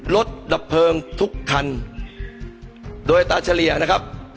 ลดดับเผิงทุกคันโดยตัชเรียนะครับ